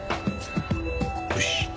よし。